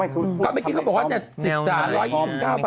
ก่อนเมื่อกี้เขาบอกว่าจะสิบสามหลายคอมก็ป่ะ